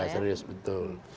ya serius betul